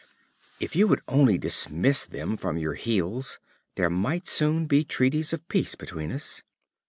If you would only dismiss them from your heels, there might soon be treaties of peace between us."